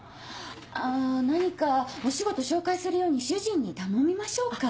あ何かお仕事紹介するように主人に頼みましょうか？